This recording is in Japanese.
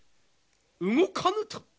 動かぬと？